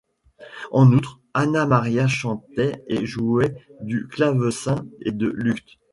En outre, Anna Maria chantait et jouait du clavecin et du luth.